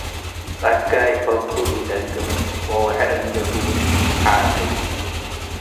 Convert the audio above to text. ጸጋይ ፈኩ ኢደግም ወውሕር እንዴ ቡ ሓግል።